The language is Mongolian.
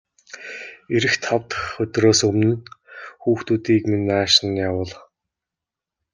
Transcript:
Ирэх тав дахь өдрөөс өмнө хүүхдүүдийг минь нааш нь явуул.